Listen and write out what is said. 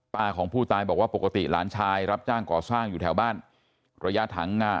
ป้าของผู้ตายบอกว่าปกติหลานชายรับจ้างก่อสร้างอยู่แถวบ้าน